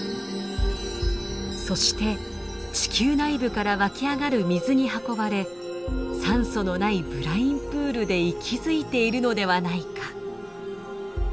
そして地球内部から湧き上がる水に運ばれ酸素のないブラインプールで息づいているのではないか。